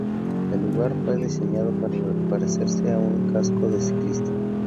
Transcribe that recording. El lugar fue diseñado para parecerse a un casco de ciclista.